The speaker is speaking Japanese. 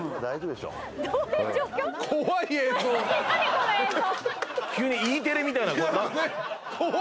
この映像。